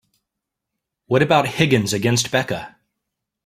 What about Higgins against Becca?